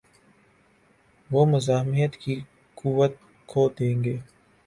وہ مزاحمت کی قوت کھو دیں گے۔